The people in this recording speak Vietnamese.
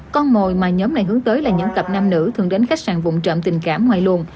còn con mồi mà nhóm này hướng tới là những cặp nam nữ thường đến khách sạn vụn trộm tình cảm ngoài luồng